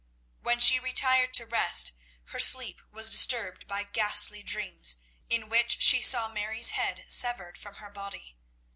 When she retired to rest, her sleep was disturbed by ghastly dreams, in which she saw Mary's head severed from her body.